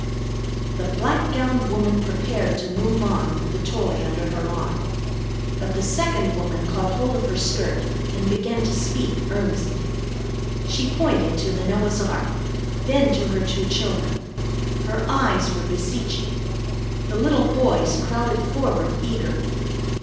The black gowned woman prepared to move on with the toy under her arm. But the second woman caught hold of her skirt and began to speak earnestly. She pointed to the Noah's ark, then to her two children. Her eyes were beseeching. The little boys crowded forward eagerly.